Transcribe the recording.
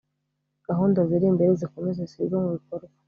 gahunda ziri imbere zikomeze zishyirwe mu bikorwa